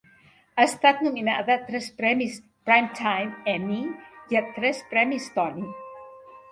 Ha estat nominada a tres premis Primetime Emmy i a tres premis Tony.